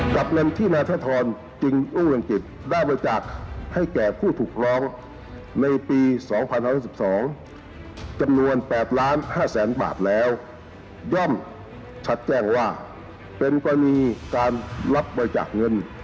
กับเงินที่นายธทรจึงรุ่งเรืองกิจได้บริจาคให้แก่ผู้ถูกร้องในปี๒๐๖๒จำนวน๘ล้าน๕แสนบาทแล้วย่อมชัดแจ้งว่าเป็นกรณีการรับบริจาคเงิน